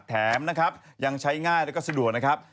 แถมนะครับยังใช้ง่ายแล้วก็สะดวกนะครับ